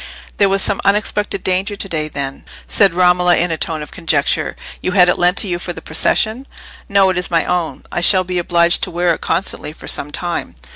"There was some unexpected danger to day, then?" said Romola, in a tone of conjecture. "You had it lent to you for the procession?" "No; it is my own. I shall be obliged to wear it constantly, for some time."